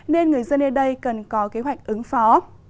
nên người dân ở đây cần có kế hoạch ứng phó